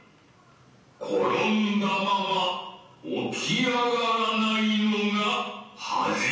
転んだまま起き上がらないのが恥である。